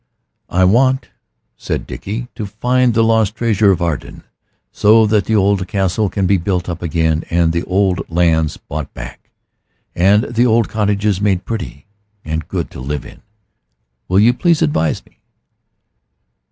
"I want," said Dickie, "to find the lost treasure of Arden, so that the old Castle can be built up again, and the old lands bought back, and the old cottages made pretty and good to live in. Will you please advise me?"